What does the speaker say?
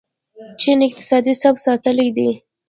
چین اقتصادي ثبات ساتلی دی.